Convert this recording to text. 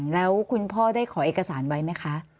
แล้วคุณพ่อได้ขอเอกสารไว้ไหมคะ